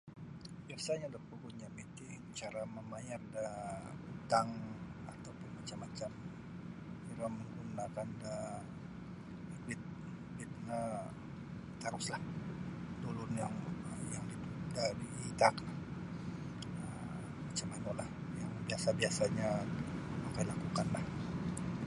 Biasa'nyo do pogun jami' ti cara mamayar daa utang atau pun macam-macam iro menggunakan da duit duit no taruslah da ulun yang yang itaak no um macam manulah yang biasa'-biasa'nyo okoi lakukanlah.